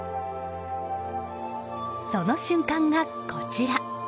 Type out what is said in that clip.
その瞬間が、こちら。